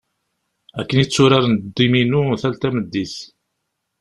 Akken i tturaren ddiminu tal tameddit.